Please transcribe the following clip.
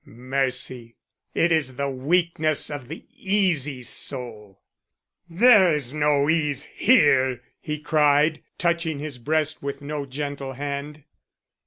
"Mercy? It is the weakness of the easy soul. There is no ease here," he cried, touching his breast with no gentle hand.